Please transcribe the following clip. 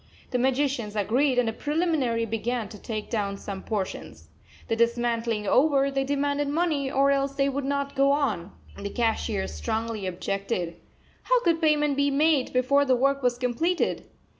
The magicians agreed, and as a preliminary began to take down some portions. The dismantling over, they demanded money, or else they would not go on. The cashier strongly objected. How could payment be made before the work was completed?